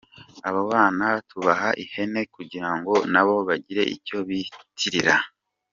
Abo bana tubaha ihene kugira ngo nabo bagire icyo biyitirira.